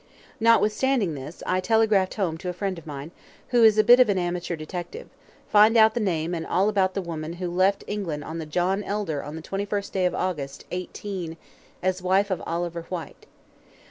Notwithstanding this, I telegraphed home to a friend of mine, who is a bit of an amateur detective, 'Find out the name and all about the woman who left England in the JOHN ELDER on the 21st day of August, 18 , as wife of Oliver Whyte.'